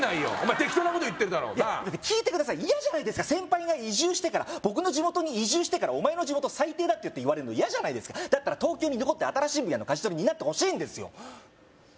適当なこと言ってるだろ聞いてください嫌じゃないですか先輩が移住してから僕の地元に移住してからお前の地元最低だって言われるの嫌じゃないですかだったら東京に残って新しい分野の舵取りになってほしいんですよ